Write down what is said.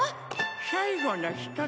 最後の一つ。